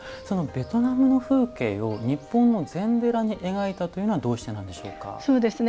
ベトナムの風景を日本の禅寺に描いたというのはどうしてなんでしょうか？